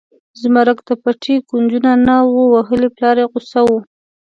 زمرک د پټي کونجونه نه و وهلي پلار یې غوسه و.